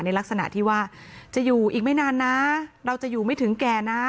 ในลักษณะที่ว่าจะอยู่อีกไม่นานนะเราจะอยู่ไม่ถึงแก่นะ